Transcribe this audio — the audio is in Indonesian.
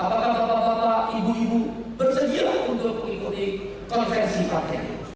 apakah bapak bapak ibu ibu bersedia untuk mengikuti konvensi partai